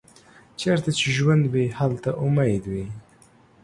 چیرته چې ژوند وي، هلته امید وي.